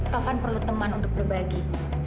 kapan perlu teman untuk berbagi